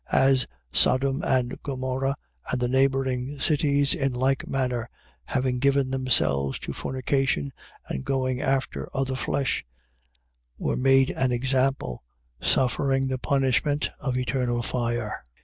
As Sodom and Gomorrha and the neighbouring cities, in like manner, having given themselves to fornication and going after other flesh, were made an example, suffering the punishment of eternal fire.